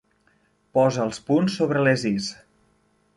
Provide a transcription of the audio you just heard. Posa els punts sobre les is.